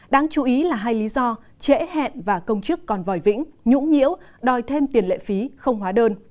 đáng chú ý là hai lý do trễ hẹn và công chức còn vòi vĩnh nhũng nhiễu đòi thêm tiền lệ phí không hóa đơn